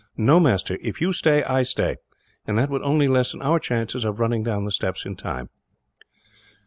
No, master, if you stay, I stay; and that would only lessen our chances of running down the steps in time."